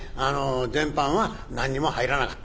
前半は何にも入らなかった。